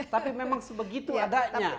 tapi memang begitu adanya